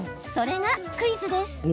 それがクイズです。